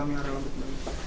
apa yang dialami orang rambut